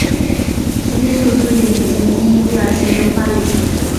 雌激素促进女性第一第二性征的发育成熟。